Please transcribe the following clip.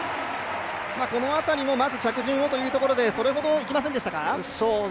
この辺りもまず着順をということでそれほどいきませんでしたか？